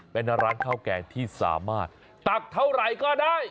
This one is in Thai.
เป็นร้านข้าวแกงที่สามารถตักเท่าไหร่ก็ได้